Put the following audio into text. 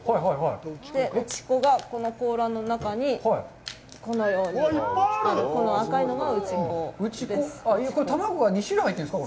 内子がこの甲羅の中にこのように、この赤いのが内子です。